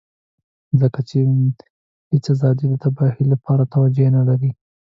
ځکه چې هېڅ ازادي د تباهۍ لپاره توجيه نه لري.